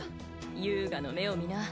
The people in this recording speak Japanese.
遊我の目を見な。